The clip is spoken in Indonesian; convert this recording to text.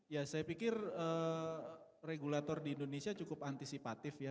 ya saya pikir regulator di indonesia cukup antisipatif ya